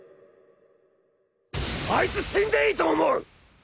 あいつ死んでいいと思う！